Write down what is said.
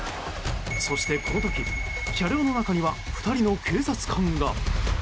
そして、この時車両の中には２人の警察官が。